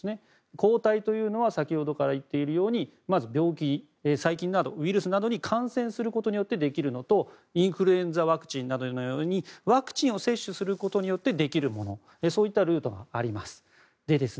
抗体というのは先ほどから言っているようにまず病気細菌などウイルスなどに感染することでできるものとインフルエンザのワクチンなどのようにワクチンを接種することでできるものというルートがあります。